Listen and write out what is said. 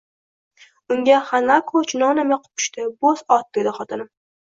Unga Xanako chunonam yoqib tushdi, bo`z ot, dedi xotinim